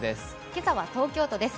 今朝は東京都です。